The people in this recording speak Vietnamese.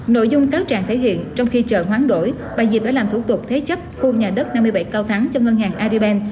nội dung cáo trạng thể hiện trong khi chờ hoán đổi bà diệp đã làm thủ tục thế chấp khu nhà đất năm mươi bảy cao thắng cho ngân hàng aribank